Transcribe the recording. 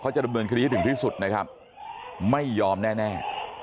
เขาจะระเบินคณีย์ถึงที่สุดนะครับไม่ยอมแน่